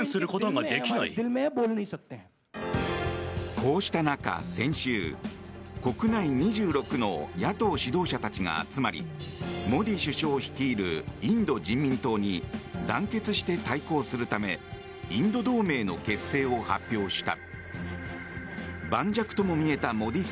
こうした中、先週国内２６の野党指導者たちが集まりモディ首相率いるインド人民党に団結して対抗するためインド同盟の結成を発表した。